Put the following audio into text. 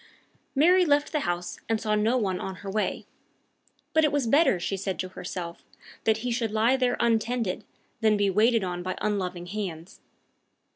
Mary left the house, and saw no one on her way. But it was better, she said to herself, that he should lie there untended, than be waited on by unloving hands.